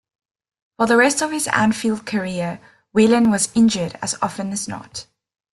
For the rest of his Anfield career, Whelan was injured as often as not.